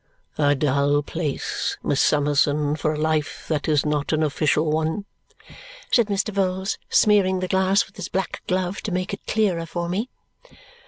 "A dull place, Miss Summerson, for a life that is not an official one," said Mr. Vholes, smearing the glass with his black glove to make it clearer for me.